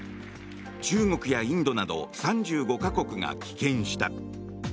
中国やインドなど３５か国が棄権した。